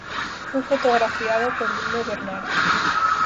Fue fotografiada por Bruno Bernard.